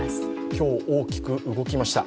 今日、大きく動きました。